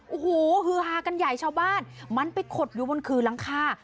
โอ้โหฮือฮากันใหญ่ชาวบ้านมันไปขดอยู่บนขื่อหลังคา